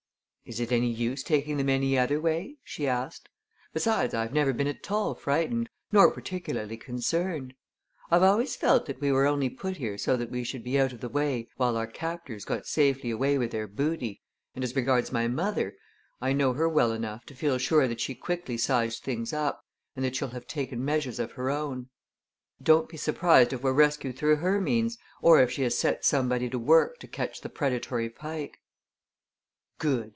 "Is it any use taking them any other way?" she asked. "Besides I've never been at all frightened nor particularly concerned. I've always felt that we were only put here so that we should be out of the way while our captors got safely away with their booty, and as regards my mother, I know her well enough to feel sure that she quickly sized things up, and that she'll have taken measures of her own. Don't be surprised if we're rescued through her means or if she has set somebody to work to catch the predatory Pike." "Good!"